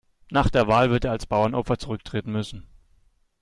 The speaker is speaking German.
Nach der Wahl wird er als Bauernopfer zurücktreten müssen.